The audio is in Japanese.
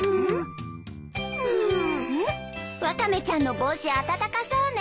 ワカメちゃんの帽子暖かそうね。